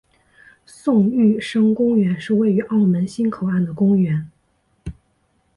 宋玉生公园是位于澳门新口岸的公园。